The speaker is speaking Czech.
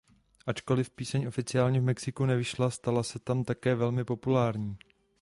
Ačkoli píseň oficiálně v Mexiku nevyšla stala se tam také velmi populární.